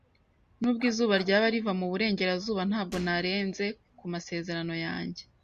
Nubwo izuba ryaba riva mu burengerazuba, ntabwo narenze ku masezerano yanjye.